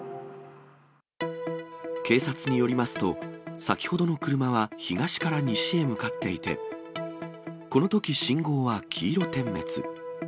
警察によりますと、先ほどの車は東から西へ向かっていて、このとき信号は黄色点滅。